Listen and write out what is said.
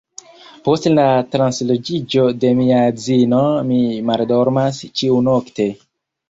Post la transloĝiĝo de mia edzino mi maldormas ĉiunokte.